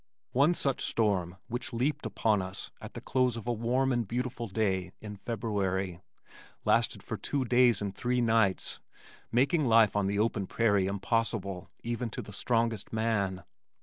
One such storm which leaped upon us at the close of a warm and beautiful day in February lasted for two days and three nights, making life on the open prairie impossible even to the strongest man.